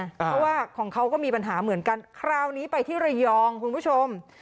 เพราะว่าของเขาก็มีปัญหาเหมือนกันคราวนี้ไปที่ระยองคุณผู้ชม